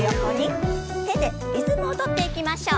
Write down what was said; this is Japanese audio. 手でリズムを取っていきましょう。